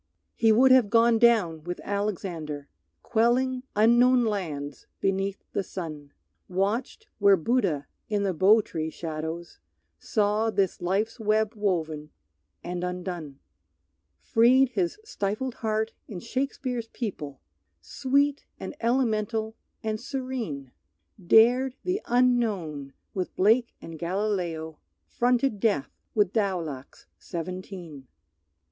He would have gone down with Alexander, Quelling unknown lands beneath the sun; Watched where Buddha in the Bo tree shadows Saw this life's web woven and undone; Freed his stifled heart in Shakespeare's people, Sweet and elemental and serene; Dared the unknown with Blake and Galileo; Fronted death with Daulac's seventeen.